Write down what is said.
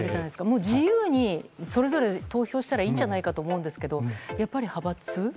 もう自由にそれぞれ投票したらいいんじゃないかと思うんですけれどもやっぱり派閥？